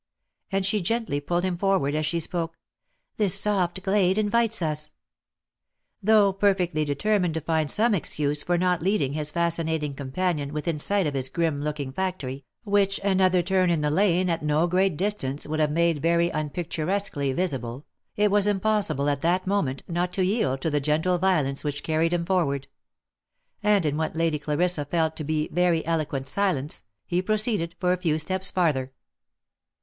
— and she gently pulled him forward as she spoke —" this soft glade invites us." Though perfectly determined to find some excuse for not leading his fascinating companion within sight of his grim looking factory, which another turn in the lane at no great distance would have made very unpicturesquely visible, it was impossible at that moment 14 THE LIFE AND ADVENTURES not to yield to the gentle violence which carried him forward ; and, in what Lady Clarissa felt to be very eloquent silence, he proceeded for a few steps farther.